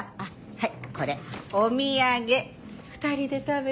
はい。